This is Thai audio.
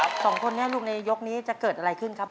สองคนนี้ลูกในยกนี้จะเกิดอะไรขึ้นครับ